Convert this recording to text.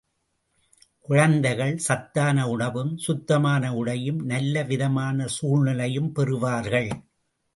குழந்தைகள் சத்தான உணவும், சுத்தமான உடையும் நல்ல விதமான சூழ்நிலையும் பெறுவார்கள்.